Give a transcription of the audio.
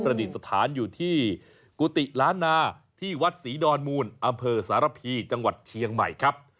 ดิษฐานอยู่ที่กุฏิล้านนาที่วัดศรีดอนมูลอำเภอสารพีจังหวัดเชียงใหม่ครับ